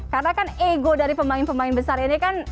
karena kan ego dari pemain pemain besar ini kan